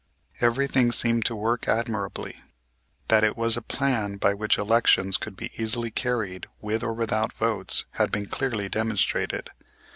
Everything seemed to work admirably. That it was a plan by which elections could be easily carried, with or without votes, had been clearly demonstrated.